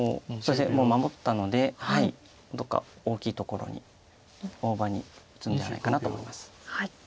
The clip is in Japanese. もう守ったのでどっか大きいところに大場に打つんじゃないかなと思います。